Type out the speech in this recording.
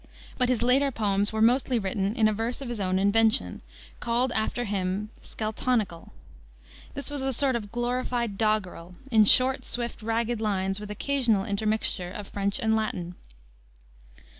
But his later poems were mostly written in a verse of his own invention, called after him Skeltonical. This was a sort of glorified doggerel, in short, swift, ragged lines, with occasional intermixture of French and Latin.